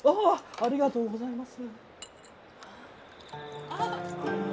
ありがとうございます。